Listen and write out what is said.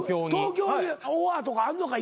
東京オファーとかあんのか？